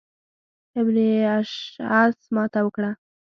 ابن اشعث ماته وکړه.